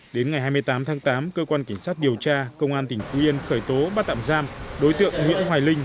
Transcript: đến ngày hai mươi tám tháng tám cơ quan cảnh sát điều tra công an tỉnh phú yên khởi tố bắt tạm giam đối tượng nguyễn hoài linh